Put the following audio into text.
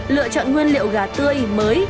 lựa chọn nguyên liệu gà tươi mới